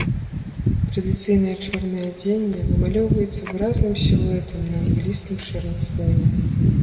Традыцыйнае чорнае адзенне вымалёўваецца выразным сілуэтам на імглістым шэрым фоне.